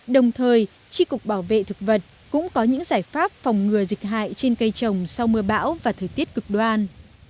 đồng thời tri cục bảo vệ thực vật cũng có những giải pháp phòng ngừa dịch hại trên cây trồng sau mưa bão và thời tiết cực đoan